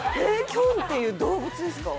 キョンっていう動物ですか？